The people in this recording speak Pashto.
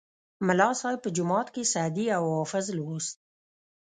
ملا صیب به جومات کې سعدي او حافظ لوست.